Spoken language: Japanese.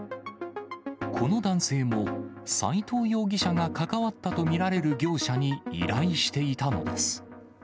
この男性も、斉藤容疑者が関わったと見られる業者に依頼していたのです。